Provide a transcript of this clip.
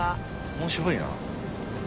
面白いな。